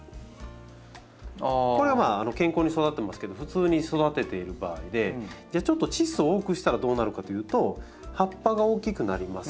これはまあ健康に育ってますけど普通に育てている場合でちょっとチッ素を多くしたらどうなるかというと葉っぱが大きくなります。